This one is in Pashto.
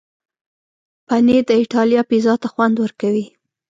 پنېر د ایټالیا پیزا ته خوند ورکوي.